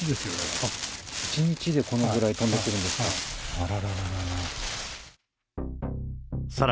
あっ、１日でこのぐらい飛んでくるんですか、あららららら。